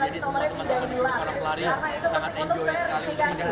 jadi semua teman teman di sekolah pelari sangat enjol